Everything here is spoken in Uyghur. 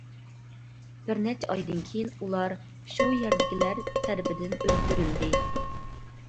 بىر نەچچە ئايدىن كېيىن ئۇلار شۇ يەردىكىلەر تەرىپىدىن ئۆلتۈرۈلدى.